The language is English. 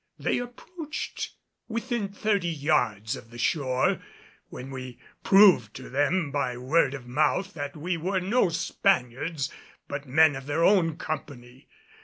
They approached within thirty yards of the shore, when we proved to them by word of mouth that we were no Spaniards but men of their own company.